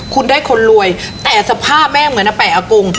คุณได้คนรวยแต่สภาพแม่เหมือนอาแปะอากง